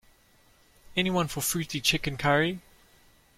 Anyone for fruity chicken curry?